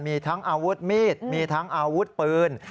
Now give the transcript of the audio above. มีทั้งอาวุธมีดมีทั้งอาวุธปืน